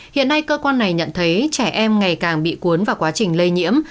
hiện nay cơ quan này nhận thấy trẻ em ngày càng bị cuốn vào quá trình lây nhiễm